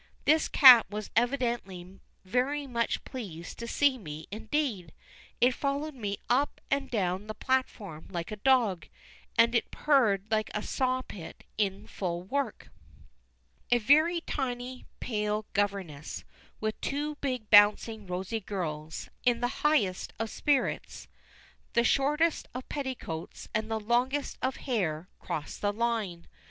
This cat was evidently very much pleased to see me indeed. It followed me up and down the platform like a dog, and it purred like a saw pit in full work. A very tiny pale governess, with two big bouncing rosy girls, in the highest of spirits, the shortest of petticoats and the longest of hair, cross the line.